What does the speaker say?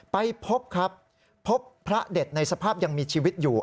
ไปพบครับพบพระเด็ดในสภาพยังมีชีวิตอยู่